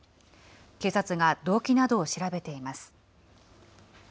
警察が動機などを調べています。